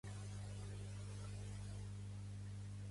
Les llavors són angulars a més o menys globoses.